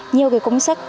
nhiều cái công sức